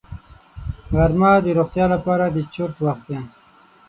غرمه د روغتیا لپاره د چرت وخت دی